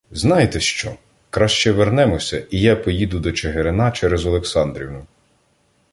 Знаєте що? Краще вернемося, і я поїду до Чигирина через Олександрівну.